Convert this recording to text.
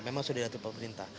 memang sudah diatur pemerintah